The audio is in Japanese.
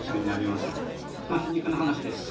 まあ皮肉な話です。